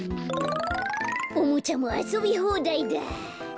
おもちゃもあそびほうだいだ。